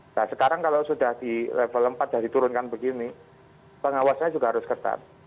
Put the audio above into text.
nah sekarang kalau sudah di level empat sudah diturunkan begini pengawasnya juga harus ketat